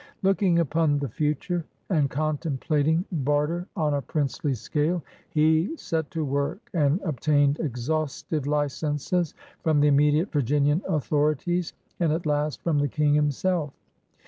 Looking upon the future and contemplating bar ter on a princely scale, he set to work and obtained exhaustive licenses from the immediate Virginian authorities, and at last from the King himself.